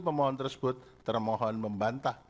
pemohon tersebut termohon membantah